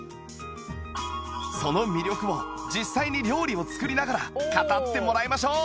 その魅力を実際に料理を作りながら語ってもらいましょう！